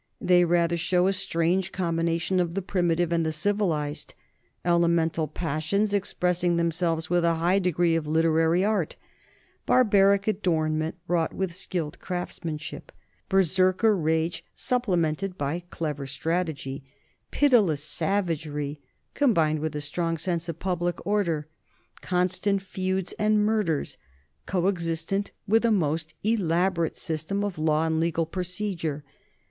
They rather show a strange com bination of the primitive and the civilized elemental passions expressing themselves with a high degree of literary art, barbaric adornment wrought with skilled craftsmanship, Berserker rage supplemented by clever strategy, pitiless savagery combined with a strong sense of public order, constant feuds and murders coexistent with a most elaborate system of law and legal procedure.